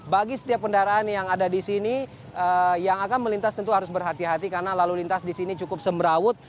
bagi setiap kendaraan yang ada di sini yang akan melintas tentu harus berhati hati karena lalu lintas di sini cukup semrawut